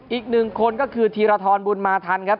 อีกหนึ่งคนก็คือธีรทรบุญมาทันครับ